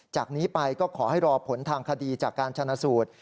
จากนี้ไปก็ขอให้รอผลทางคดีจากการชนะสูตร